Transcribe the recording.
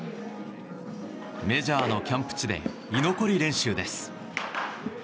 メジャーのキャンプ地で居残り練習です。